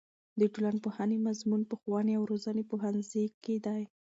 د ټولنپوهنې مضمون په ښوونې او روزنې پوهنځي کې دی.